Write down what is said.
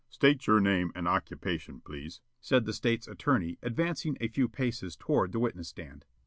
"State your name and occupation, please," said the State's attorney, advancing a few paces toward the witness stand.